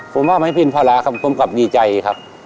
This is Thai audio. ผมว่าไม่เป็นภาระครับผมกลับดีใจครับ